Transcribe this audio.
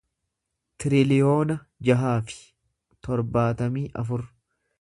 tiriliyoona jaha fi torbaatamii afur